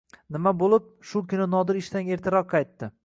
Nima bo`lib, shu kuni Nodir ishdan ertaroq qaytdi